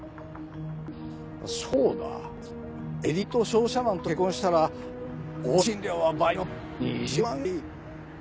そうだエリート商社マンと結婚したら往診料は倍の２０万がいい。